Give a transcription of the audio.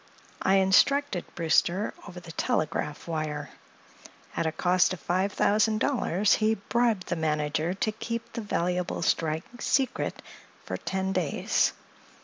I instructed Brewster over the telegraph wire. At a cost of five thousand dollars we bribed the manager to keep the valuable strike secret for ten days.